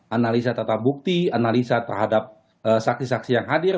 analisa tata bukti analisa terhadap saksi saksi yang hadir